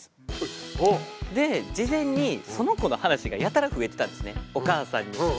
で事前にその子の話がやたら増えてたんですねお母さんに。